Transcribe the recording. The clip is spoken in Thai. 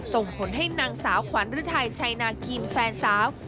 ส่งผลให้นางสาวขวัญฤทัยชัยนาคินแฟนสาว